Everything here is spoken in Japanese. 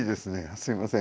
すいません。